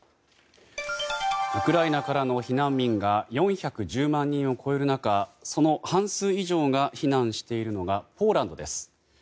ウクライナからの避難民が４１０万人を超える中その半数以上が避難しているのがポーランドです。